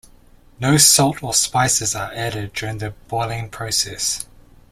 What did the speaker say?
No salt or spices are added during the boiling process.